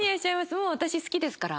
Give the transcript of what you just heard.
もう私好きですから。